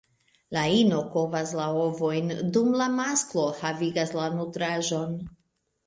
La ino kovas la ovojn, dum la masklo havigas la nutraĵon.